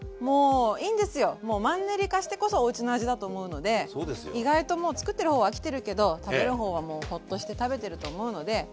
もうマンネリ化してこそおうちの味だと思うので意外ともうつくってる方は飽きてるけど食べる方はもうホッとして食べてると思うので。